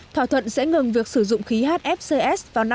thỏa thuận sẽ ngừng việc sử dụng khí hfcs vào năm hai nghìn một mươi chín